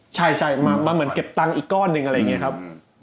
ใช่มาเหมือนเก็บตังค์อีกก้อนหนึ่งอะไรอย่างนี้ครับ